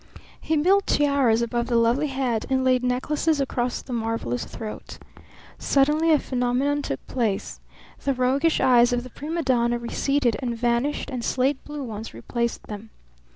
He built tiaras above the lovely head and laid necklaces across the marvellous throat. Suddenly a phenomenon took place. The roguish eyes of the prima donna receded and vanished and slate blue ones replaced them.